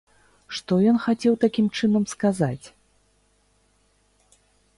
Што ён хацеў такім чынам сказаць?